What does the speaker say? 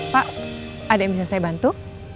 pak ada yang bisa saya bantu